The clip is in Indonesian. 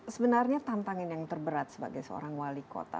sebenarnya tantangan yang terberat sebagai seorang wali kota